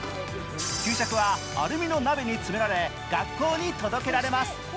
給食はアルミの鍋に詰められ学校に届けられます。